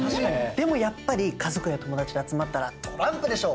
でもやっぱり家族や友達で集まったらトランプでしょ。